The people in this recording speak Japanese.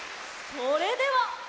それでは。